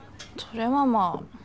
それはまあ。